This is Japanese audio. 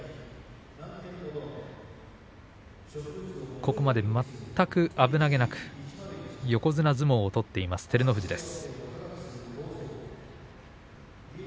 ここまで全く危なげなく横綱相撲を取っています照ノ富士です。